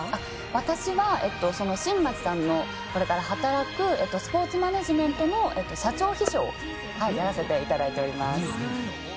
私は新町さんのこれから働くスポーツマネジメントの社長秘書をやらせていただいております。